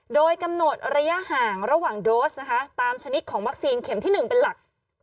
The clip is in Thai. โดยกำหนดระยะห่างระหว่างโดสนะคะตามชนิดของวัคซีนเข็มที่๑เป็นหลัก